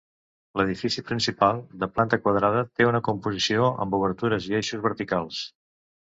L'edifici principal, de planta quadrada té una composició amb obertures i eixos verticals.